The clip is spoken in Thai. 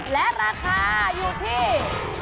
และราคาอยู่ที่